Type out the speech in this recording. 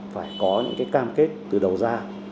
phải có những cái cam kết từ đầu ra